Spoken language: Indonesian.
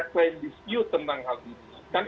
klaim diskiut tentang hal ini